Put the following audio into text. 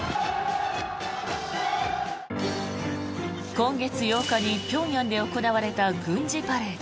今月８日に平壌で行われた軍事パレード。